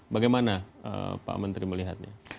bagaimana pak menteri melihatnya